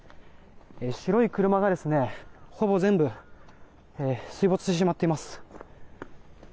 白い車がほぼ全部水没してしまっています。